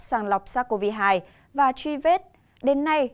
sàng lọc sars cov hai và truy vết đến nay